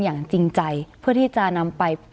อย่างจริงใจเพื่อที่จะนำไป